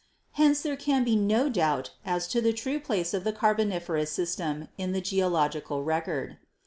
Hence there can be no doubt as to the true place of the Carboniferous system in the geological record.